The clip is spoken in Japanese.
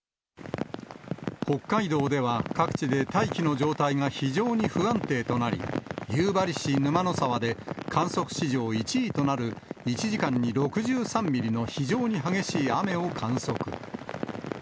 北海道では各地で大気の状態が非常に不安定となり、夕張市沼の沢で観測史上１位となる、１時間に６３ミリの非常に激しい雨を観測。